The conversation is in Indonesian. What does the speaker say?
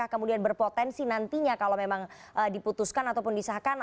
kemudian berpotensi nantinya kalau memang diputuskan ataupun disahkan